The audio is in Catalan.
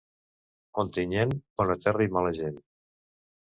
Ontinyent, bona terra i mala gent.